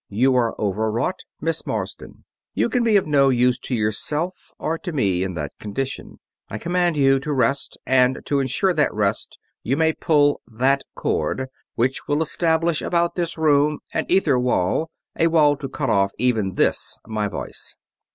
"You are over wrought, Miss Marsden. You can be of no use to yourself or to me in that condition. I command you to rest; and, to insure that rest, you may pull that cord, which will establish about this room an ether wall: a wall to cut off even this my voice...."